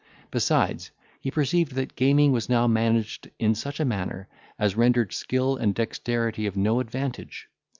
Besides, he perceived that gaming was now managed in such a manner, as rendered skill and dexterity of no advantage.